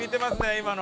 今の。